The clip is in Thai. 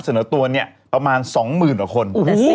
เสนอตัวนี้ประมาณ๒หมื่นหรอกคน